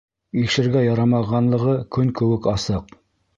Ишергә ярамағанлығы көн кеүек асыҡ.